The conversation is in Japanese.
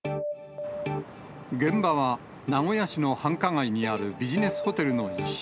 現場は名古屋市の繁華街にあるビジネスホテルの一室。